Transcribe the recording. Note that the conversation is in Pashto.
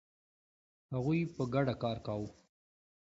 هغوی په ګډه کار کاوه.